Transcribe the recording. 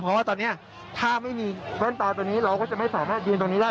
เพราะว่าตอนนี้ถ้าไม่มีขั้นตอนตรงนี้เราก็จะไม่สามารถยืนตรงนี้ได้